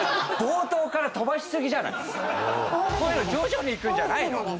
こういうの徐々にいくんじゃないの！？